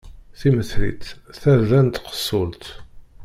Timmetrit, tarda n tqessult.